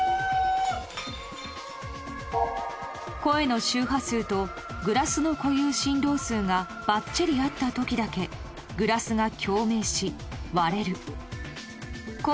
声の周波数とグラスの固有振動数がバッチリ合った時だけグラスが共鳴し割れる